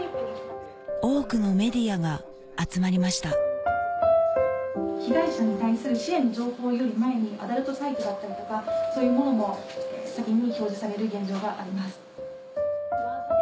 多くのメディアが集まりました被害者に対する支援の情報より前にアダルトサイトだったりとかそういうものが先に表示される現状があります。